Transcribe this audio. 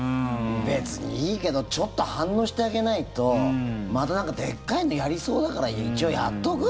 別にいいけどちょっと反応してあげないとまたなんかでっかいのやりそうだから一応やっとく？